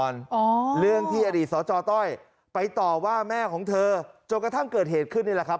อ๋อเรื่องที่อดีตสจต้อยไปต่อว่าแม่ของเธอจนกระทั่งเกิดเหตุขึ้นนี่แหละครับ